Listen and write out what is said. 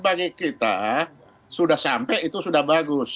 bagi kita sudah sampai itu sudah bagus